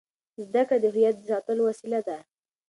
زده کړه د هویت د ساتلو وسیله ده.